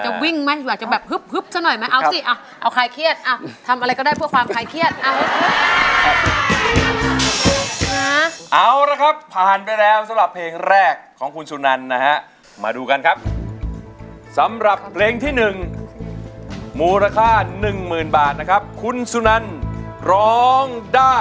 สำหรับเพลงที่หนึ่งนะครับมูลค่าหนึ่งหมื่นบาทคุณสุนันร้อง